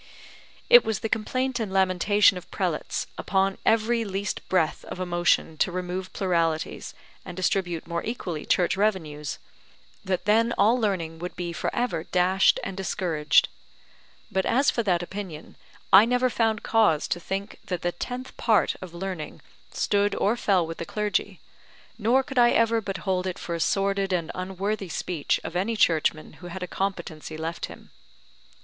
It was the complaint and lamentation of prelates, upon every least breath of a motion to remove pluralities, and distribute more equally Church revenues, that then all learning would be for ever dashed and discouraged. But as for that opinion, I never found cause to think that the tenth part of learning stood or fell with the clergy: nor could I ever but hold it for a sordid and unworthy speech of any churchman who had a competency left him.